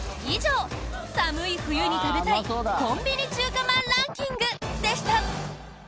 以上、寒い冬に食べたいコンビニ中華まんランキングでした。